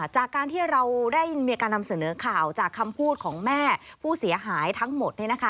จากการที่เราได้มีการนำเสนอข่าวจากคำพูดของแม่ผู้เสียหายทั้งหมด